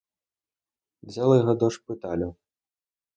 Взяли його до шпиталю.